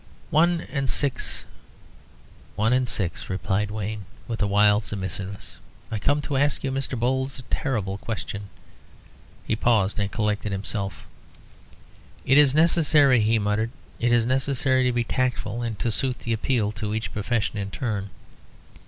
"One and six one and six," replied Wayne, with a wild submissiveness. "I come to ask you, Mr. Bowles, a terrible question." He paused and collected himself. "It is necessary," he muttered "it is necessary to be tactful, and to suit the appeal to each profession in turn."